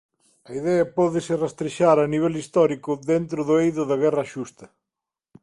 A idea pódese rastrexar a nivel histórico dentro do eido da guerra xusta.